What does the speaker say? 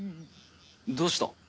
どうした？